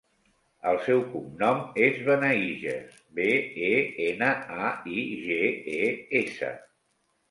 El seu cognom és Benaiges: be, e, ena, a, i, ge, e, essa.